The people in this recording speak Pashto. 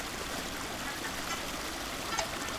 د دغي غونډې په پای کي له ټولو مننه وسوه.